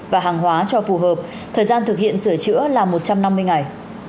và hàng hóa cho phù hợp thời gian thực hiện sửa chữa là một trăm năm mươi ngày